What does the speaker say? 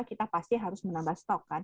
kita pasti harus menambah stok kan